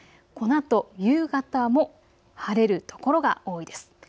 このあと夕方も晴れる所が多いです。